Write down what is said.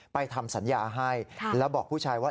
ทำสัญญาให้แล้วบอกผู้ชายว่า